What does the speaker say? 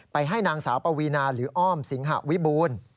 ให้นางสาวปวีนาหรืออ้อมสิงหะวิบูรณ์